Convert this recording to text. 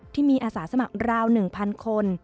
ที่มีอาสาสมัครราว๑๐๐คน